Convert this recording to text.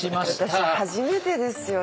私初めてですよ